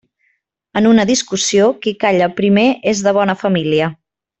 En una discussió, qui calla primer és de bona família.